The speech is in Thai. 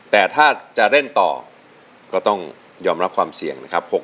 แต่ถ้าจะเล่นต่อก็ต้องยอมรับความเสี่ยงนะครับ